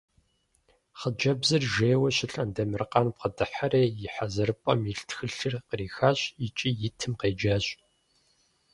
Хъыджэбзыр жейуэ щылъ Андемыркъан бгъэдыхьэри и хьэзырыпӀэм илъ тхылъыр кърихащ икӀи итым къеджащ.